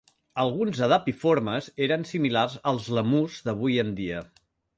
Alguns adapiformes eren similars als lèmurs d'avui en dia.